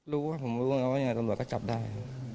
รู้ว่าผมรู้แล้วว่ายังไงตำรวจก็จับได้